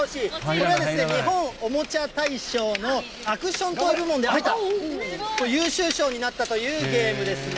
これは日本おもちゃ大賞のアクショントイ部門で、優秀賞になったというゲームですね。